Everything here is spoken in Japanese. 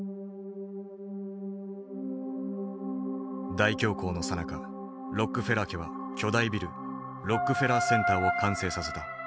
大恐慌のさなかロックフェラー家は巨大ビルロックフェラーセンターを完成させた。